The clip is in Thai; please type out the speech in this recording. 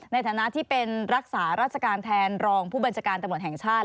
ในฐานะที่เป็นรักษาราชการแทนรองผู้บัญชาการตำรวจแห่งชาติ